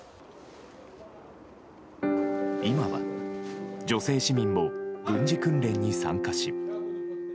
今は女性市民も軍事訓練に参加し。